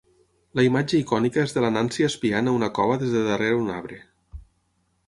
La imatge icònica és de la Nancy espiant a una cova des de darrere un arbre.